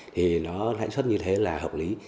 thì nó lãi suất như thế là hợp lý